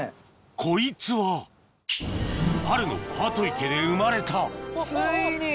こいつは春のハート池で生まれたついに！